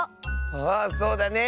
あそうだね！